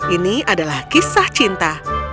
ini adalah kisah cinta